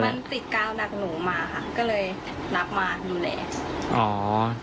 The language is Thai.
มันติดกาวหนักหนูมาค่ะก็เลยรับมาดูแลอ๋อ